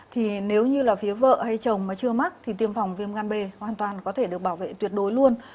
thì nếu như là phía vợ hay chồng mà chưa mắc thì tiêm phòng viêm gan b hoàn toàn có thể được bảo vệ tuyệt đối luôn